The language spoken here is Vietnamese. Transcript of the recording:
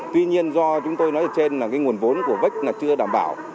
tuy nhiên do chúng tôi nói ở trên là cái nguồn vốn của vec chưa đảm bảo